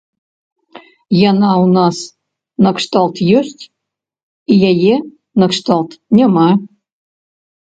Яна ў нас накшталт ёсць, і яе накшталт няма.